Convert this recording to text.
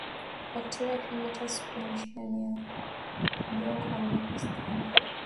Bakteria wa kimeta huishi ndani ya udongo hata miaka sitini